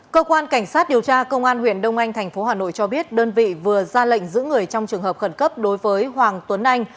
cơ quan cảnh sát điều tra công an huyện đông anh tp hà nội cho biết đơn vị vừa ra lệnh giữ người trong trường hợp khẩn cấp đối với hoàng tuấn anh